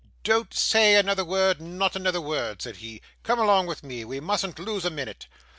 'Don't say another word. Not another word' said he. 'Come along with me. We mustn't lose a minute.